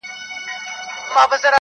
خو لا دي سره دي لاسونه دواړه -